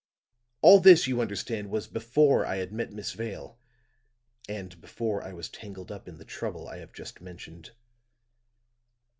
"All this, you understand, was before I had met Miss Vale, and before I was tangled up in the trouble I have just mentioned.